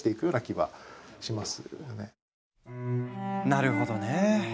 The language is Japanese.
なるほどね。